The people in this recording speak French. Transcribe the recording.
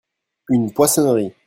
une poissonnerie.